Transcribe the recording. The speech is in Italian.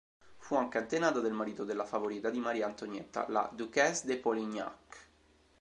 Fu anche antenata del marito della "favorita" di Maria Antonietta, la "duchesse de Polignac".